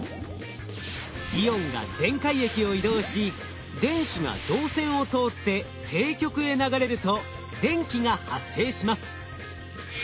イオンが電解液を移動し電子が導線を通って正極へ流れると電気が発生します。